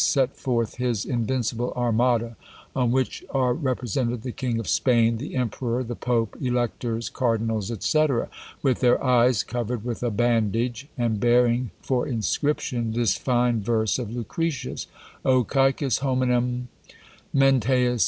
set forth his invincible Armada, on which are represented the King of Spain, the Emperor, the Pope, Electors, Cardinals, &c., with their eyes covered with a bandage, and bearing for inscription this fine verse of Lucretius: O cæcas hominum menteis!